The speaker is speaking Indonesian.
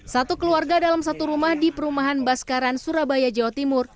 satu keluarga dalam satu rumah di perumahan baskaran surabaya jawa timur